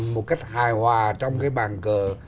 một cách hài hòa trong cái bàn cờ